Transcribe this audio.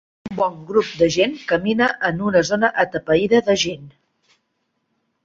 Un bon grup de gent camina en una zona atapeïda de gent.